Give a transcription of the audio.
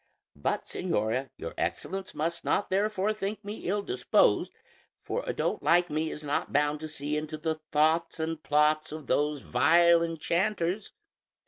But, señora, your Excellence must not therefore think me ill disposed, for a dolt like me is not bound to see into the thoughts and plots of those vile enchanters.